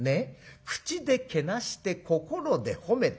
『口でけなして心で褒めて』